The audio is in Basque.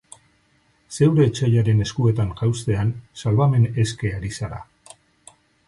Zeure etsaiaren eskuetan jauztean, salbamen eske hari zara.